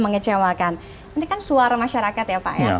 mengecewakan ini kan suara masyarakat ya pak ya